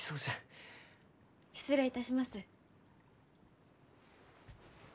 失礼いたします。